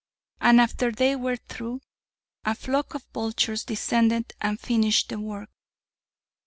And after they were through, a flock of vultures descended and finished the work.